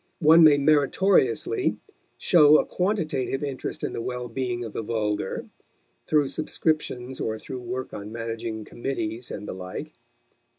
One may meritoriously show a quantitative interest in the well being of the vulgar, through subscriptions or through work on managing committees and the like.